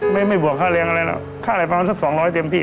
ไม่ไม่บวกค่าเรียงอะไรนะค่าอะไรประมาณสัก๒๐๐เต็มที่